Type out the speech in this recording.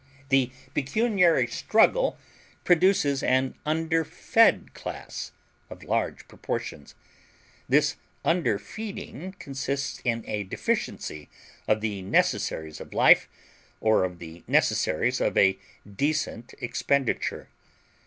The pecuniary struggle produces an underfed class, of large proportions. This underfeeding consists in a deficiency of the necessaries of life or of the necessaries of a decent expenditure.